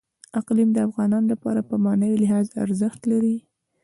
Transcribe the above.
اقلیم د افغانانو لپاره په معنوي لحاظ ارزښت لري.